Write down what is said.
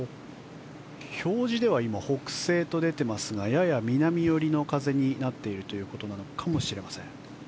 表示では北西と出ていますがやや南寄りの風になっているということかもしれません。